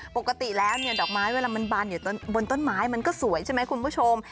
ปกติแล้วเนี่ยดอกไม้เวลามันบานอยู่บนต้นไม้มันก็สวยใช่ไหมคุณผู้ชม